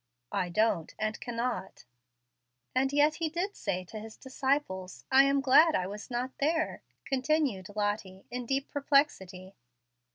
"I don't, and cannot." "And yet He did say to His disciples, 'I am glad I was not there,'" continued Lottie, in deep perplexity.